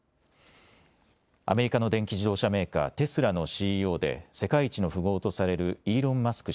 アメリカの電気自動車メーカー、テスラのＣＥＯで世界一の富豪とされるイーロン・マスク